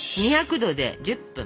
２００℃で１０分。